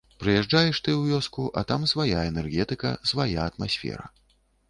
Прыязджаеш ты ў вёску, а там свая энергетыка, свая атмасфера.